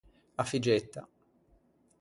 A figgetta.